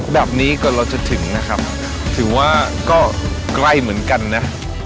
แบบนี้ก่อนเราจะถึงนะครับถือว่าก็ใกล้เหมือนกันนะ